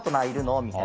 みたいな。